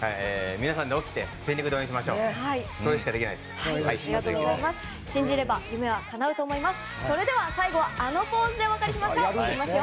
皆さんで起きて全力で応援しましょう。